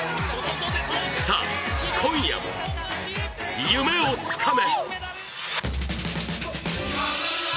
さあ今夜も、夢をつかめ。